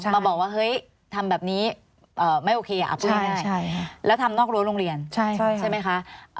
มาบอกว่าให้ทำแบบนี้ไม่โอเคอะปุ๊บได้แล้วทำนอกลัวโรงเรียนใช่ไหมคะ